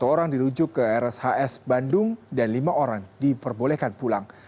satu orang dirujuk ke rshs bandung dan lima orang diperbolehkan pulang